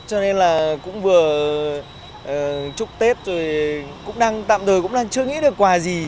cho nên là cũng vừa chúc tết rồi cũng đang tạm thời cũng đang chưa nghĩ được quà gì